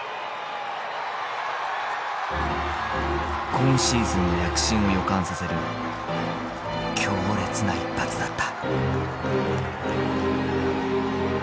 今シーズンの躍進を予感させる強烈な一発だった。